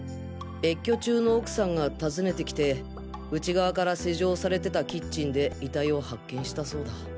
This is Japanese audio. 別居中の奥さんが訪ねてきて内側から施錠されてたキッチンで遺体を発見したそうだ。